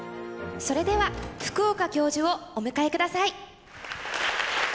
それでは福岡教授をお迎え下さい。